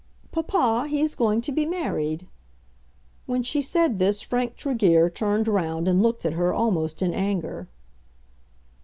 "Papa, he is going to be married." When she said this Frank Tregear turned round and looked at her almost in anger.